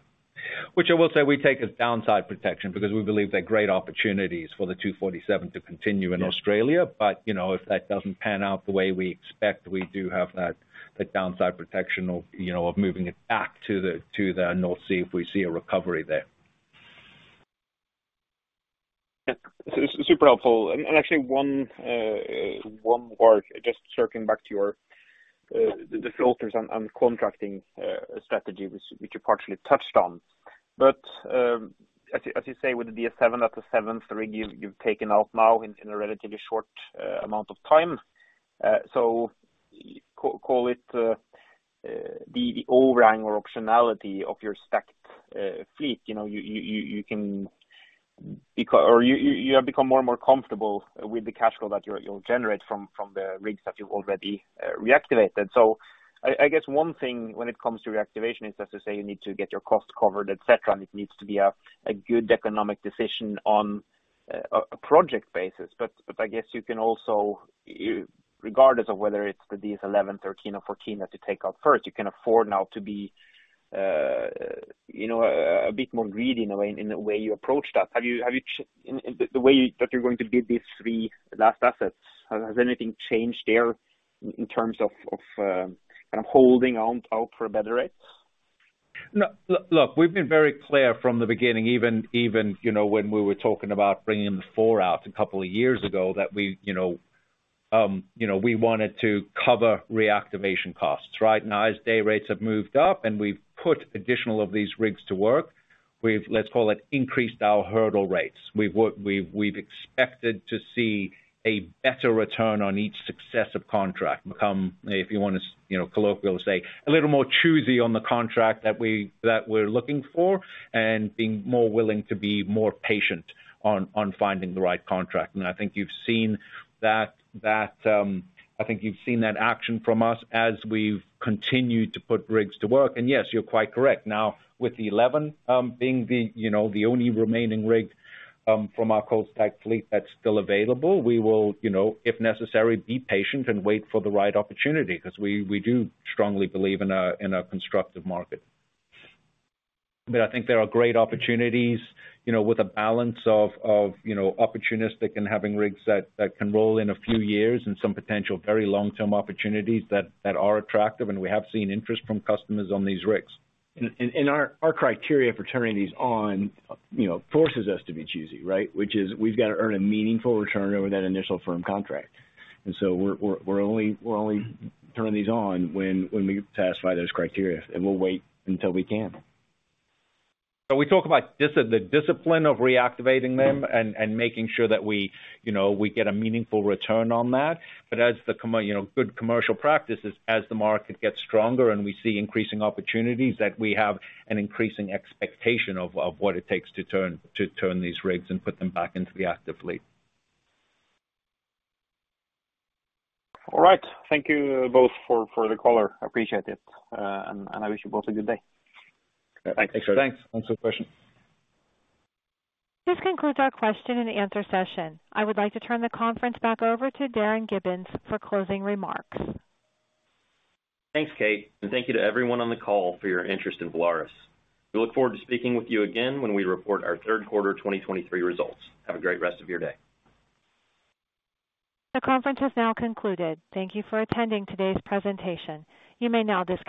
I will say we take as downside protection because we believe there are great opportunities for the VALARIS 247 to continue in Australia. Yes. You know, if that doesn't pan out the way we expect, we do have that, the downside protection of, you know, of moving it back to the, to the North Sea, if we see a recovery there. Yeah. Super helpful. Actually one, one more, just circling back to your, the filters on contracting strategy, which, which you partially touched on. As you, as you say, with the DS-7, that the seventh rig you've, you've taken out now in a relatively short amount of time. Call it, the overhang or optionality of your stacked fleet, you know, you, you, you can or you, you have become more and more comfortable with the cash flow that you're, you'll generate from, from the rigs that you've already reactivated. I guess one thing when it comes to reactivation is, as you say, you need to get your costs covered, et cetera, and it needs to be a good economic decision on a project basis. I guess you can also, regardless of whether it's the VALARIS DS-11, VALARIS DS-13, or VALARIS DS-14 that you take off first, you can afford now to be, you know, a bit more greedy in a way, in the way you approach that. Have you, have you in the way that you're going to bid these three last assets, has anything changed there in terms of, of, kind of holding on out for better rates? No. Look, we've been very clear from the beginning, even, even, you know, when we were talking about bringing the four out couple years ago, that we, you know, you know, we wanted to cover reactivation costs, right? Now, as day rates have moved up and we've put additional of these rigs to work, we've, let's call it, increased our hurdle rates. We've, we've expected to see a better return on each successive contract, become, if you want to, you know, colloquial say, a little more choosy on the contract that we, that we're looking for, and being more willing to be more patient on, on finding the right contract. I think you've seen that, that, I think you've seen that action from us as we've continued to put rigs to work. Yes, you're quite correct. With the DS-11, being the, you know, the only remaining rig from our cold stack fleet that's still available, we will, you know, if necessary, be patient and wait for the right opportunity, because we do strongly believe in a constructive market. I think there are great opportunities, you know, with a balance of, you know, opportunistic and having rigs that can roll in a few years and some potential very long-term opportunities that are attractive, and we have seen interest from customers on these rigs. Our criteria for turning these on, you know, forces us to be choosy, right? Which is we've got to earn a meaningful return over that initial firm contract. We're only turning these on when we satisfy those criteria, and we'll wait until we can. We talk about the discipline of reactivating them and, and making sure that we, you know, we get a meaningful return on that. As the, you know, good commercial practices, as the market gets stronger and we see increasing opportunities, that we have an increasing expectation of, of what it takes to turn, to turn these rigs and put them back into the active fleet. All right. Thank you both for, for the color. I appreciate it, and I wish you both a good day. Thanks. Thanks. Thanks for the question. This concludes our question and answer session. I would like to turn the conference back over to Darin Gibbins for closing remarks. Thanks, Kate, and thank you to everyone on the call for your interest in Valaris. We look forward to speaking with you again when we report our third quarter 2023 results. Have a great rest of your day. The conference has now concluded. Thank you for attending today's presentation. You may now disconnect.